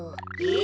え。